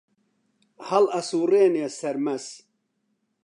هەڵ ئەسووڕێنێ سەرمەس